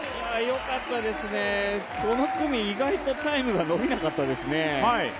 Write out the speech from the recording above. よかったですね、この組、意外とタイムが伸びなかったですね。